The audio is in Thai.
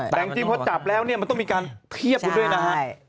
แต่จริงพอจับแล้วเนี่ยมันต้องมีการเทียบคุณด้วยนะฮะ